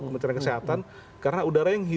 pemerintahan kesehatan karena udara yang